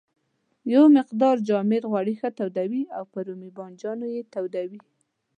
یو مقدار جامد غوړي ښه تودوي او پر رومي بانجانو یې تویوي.